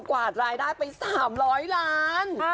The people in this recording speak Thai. กวาดรายได้ไป๓๐๐ล้าน